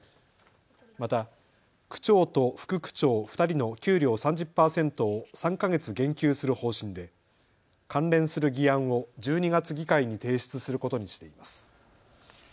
また、区長と副区長２人の給料３０％を３か月減給する方針で関連する議案を１２月議会に提出することにしています。